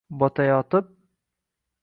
Botayotib